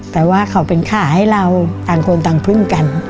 แต่ว่าเขาเป็นขาให้เราต่างคนต่างพึ่งกัน